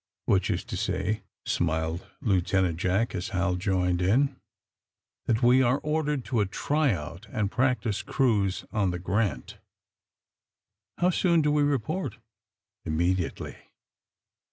''*' Which is to say," smiled Lieutenant Jack, as Hal joined them, ^^that we are ordered to a try out and practice cruise on the ^ Grant./ '' ^^How soon do we report '?"*^ Immediately.